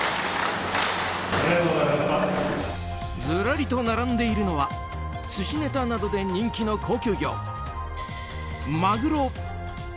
ずらりと並んでいるのは寿司ネタなどで人気の高級魚マグロ。